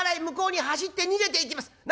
向こうに走って逃げていきます」。